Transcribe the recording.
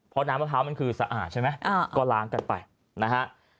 เพราะน้ำมะพร้าวมันคือสะอาดใช่ไหมก็ล้างกันไปนะฮะ